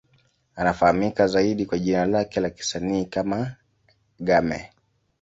Anafahamika zaidi kwa jina lake la kisanii kama Game.